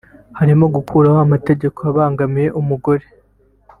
harimo gukuraho amategeko abangamiye umugore